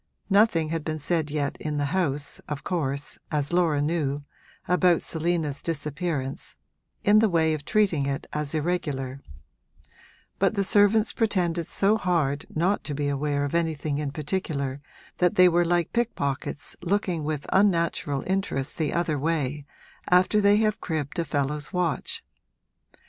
Nothing had been said yet in the house, of course, as Laura knew, about Selina's disappearance, in the way of treating it as irregular; but the servants pretended so hard not to be aware of anything in particular that they were like pickpockets looking with unnatural interest the other way after they have cribbed a fellow's watch.